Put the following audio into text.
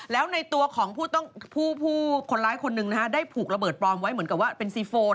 แล้วในตัวของผู้คนร้ายคนหนึ่งนะฮะได้ผูกระเบิดปลอมไว้เหมือนกับว่าเป็นซีโฟน